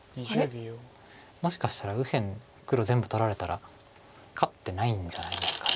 もしかしたら右辺黒全部取られたら勝ってないんじゃないですか。